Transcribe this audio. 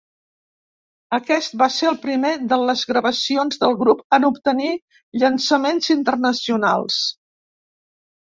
Aquest va ser el primer de les gravacions del grup en obtenir llançaments internacionals.